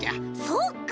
そっか！